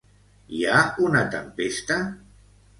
Hi ha una tempesta?